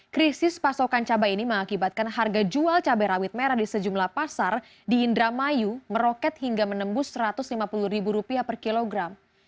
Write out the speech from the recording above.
krisis pasokan cabai ini mengakibatkan harga jual cabai rawit merah di sejumlah pasar di indramayu meroket hingga menembus rp satu ratus lima puluh per kilogram